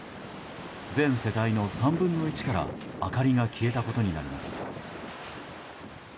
全世帯の３分の１から明かりが消えたことになります。